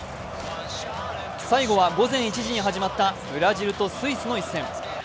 最後は午前１時に始まったブラジルとスイスの一戦。